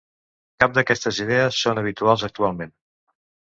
Cap d'aquestes idees són habituals actualment.